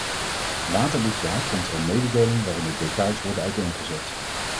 Later dit jaar komt er een mededeling waarin de details worden uiteengezet.